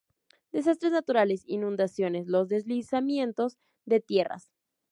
Desastres naturales: inundaciones, los deslizamientos de tierras.